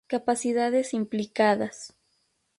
Capacidades implicadas.